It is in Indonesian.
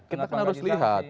kita harus lihat